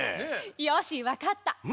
よしわかった。